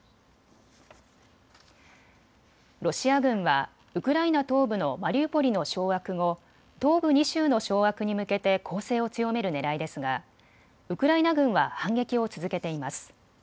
ロシア軍はウクライナ東部のマリウポリの掌握後、東部２州の掌握に向けて攻勢を強めるねらいですがウクライナ軍は反撃を続けています。